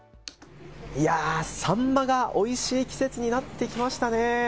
サンマがおいしい季節になってきましたね。